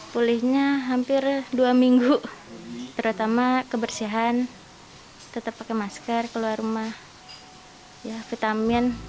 pulihnya hampir dua minggu terutama kebersihan tetap pakai masker keluar rumah vitamin